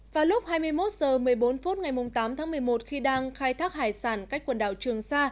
vào lúc hai mươi một h một mươi bốn phút ngày tám tháng một mươi một khi đang khai thác hải sản cách quần đảo trường sa